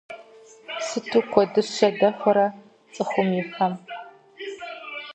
Сыту куэдыщэ дэхуэрэ цӏыхум и фэм…